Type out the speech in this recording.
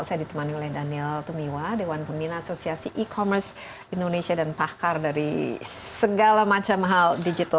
saya ditemani oleh daniel tumiwa dewan pembina asosiasi e commerce indonesia dan pakar dari segala macam hal digital